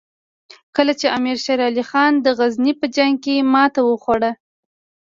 کله چې امیر شېر علي خان د غزني په جنګ کې ماته وخوړه.